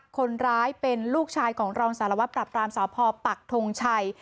คนร้ายเป็นลูกชายของรองสารวัตรปรับรามสพปักทงชัย